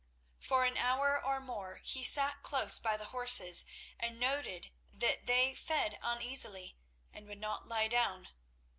For an hour or more he sat close by the horses, and noted that they fed uneasily and would not lie down.